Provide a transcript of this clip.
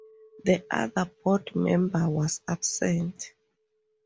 The other board member was absent.